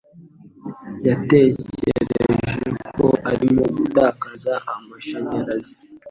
Yatekereje ko arimo gutakaza amashanyarazi.